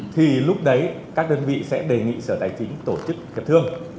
thì lúc đấy các đơn vị sẽ đề nghị sở tài chính tổ chức hiệp thương